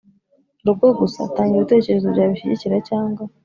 rugo gusa? Tanga ibitekerezo byawe bishyigikira cyangwa